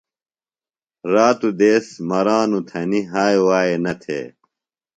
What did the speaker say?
راتوۡ دیس مرانوۡ تھنیۡ ہائے وائے نہ تھے۔